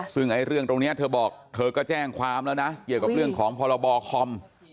ซึ่งเรื่องตรงนี้เธอบอกเธอก็แจ้งความแล้วนะเกี่ยวกับเรื่องของพรบคอม